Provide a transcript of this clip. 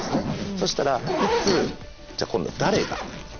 そしたら「いつ」じゃあ今度「誰が」。